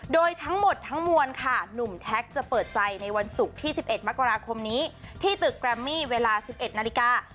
โดยทั้งหมดทั้งมวลค่ะหนุ่มแท็กจะเปิดใจในวันศุกร์ที่๑๑มกราคมนี้ที่ตึกแกรมมี่เวลา๑๑นาฬิกา